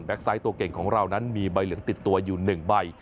ไซต์ตัวเก่งของเรานั้นมีใบเหลืองติดตัวอยู่๑ใบ